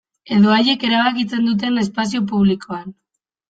Edo haiek erabakitzen duten espazio publikoan.